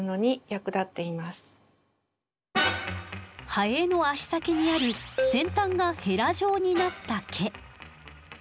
ハエの足先にある先端がヘラ状になった毛。